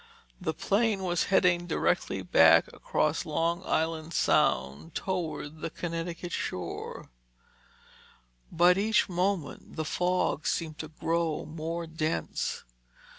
The plane was heading directly back across Long Island Sound toward the Connecticut shore. But each moment the fog seemed to grow more dense.